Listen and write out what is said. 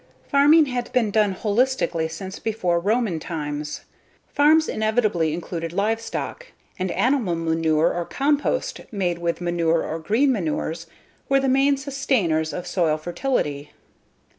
Farming had been done holistically since before Roman times. Farms inevitably included livestock, and animal manure or compost made with manure or green manures were the main sustainers of soil fertility.